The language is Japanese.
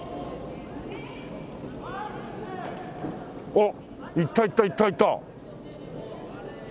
おっいったいったいったいった！